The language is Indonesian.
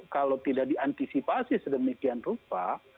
kalau tidak diantisipasi sedemikian rupa